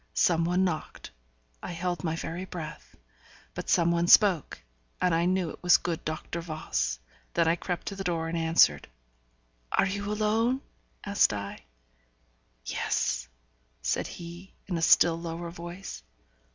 Some one knocked; I held my very breath. But some one spoke, and I knew it was the good Doctor Voss. Then I crept to the door, and answered. 'Are you alone?' asked I. 'Yes,' said he, in a still lower voice.